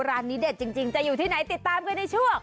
ร้านนี้เด็ดจริงจะอยู่ที่ไหนติดตามกันในช่วง